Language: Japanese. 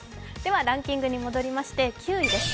ランキングに戻りまして９位です。